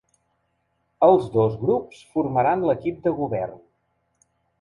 El dos grups formaran l’equip de govern.